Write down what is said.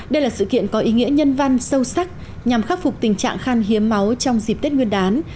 đây là sự kiện có ý nghĩa nhân văn sâu sắc nhằm khắc phục tình trạng khan hiếm máu trong dịp tết nguyên đán